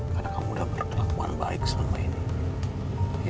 karena kamu udah berkelakuan baik selama ini